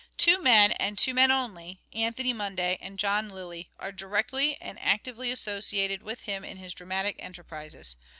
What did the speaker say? Two men, and two men only, Anthony Munday and John Lyly, are directly and actively associated with him in his dramatic enterprises.